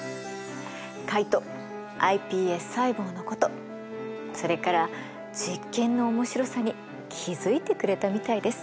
カイトｉＰＳ細胞のことそれから実験の面白さに気付いてくれたみたいです。